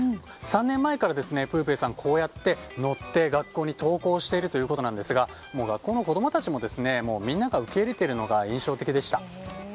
３年前からプーペーさんはこうやって乗って、学校に登校しているということですが学校の子供たちもみんな受け入れているのが印象的でした。